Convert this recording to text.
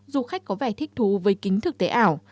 du khách có vẻ thích thú với kính thực tế ảo